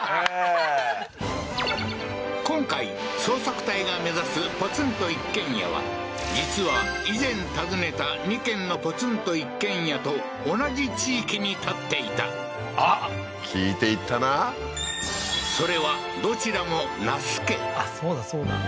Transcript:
今回捜索隊が目指すポツンと一軒家は実は以前訪ねた２軒のポツンと一軒家と同じ地域に建っていたあっ聞いて行ったなそれはどちらも那須家あっそうだそうだ